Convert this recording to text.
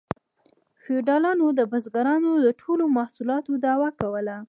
فیوډالانو د بزګرانو د ټولو محصولاتو دعوه کوله